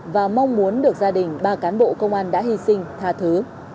và mong muốn được gia đình ba cán bộ công an đã hy sinh tha thứ